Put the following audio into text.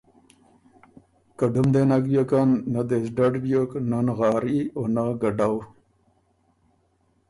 که ډُم دې نک بیوکن، نۀ دې سو ډډ بیوک نۀ نغاري او نۀ ګډؤ۔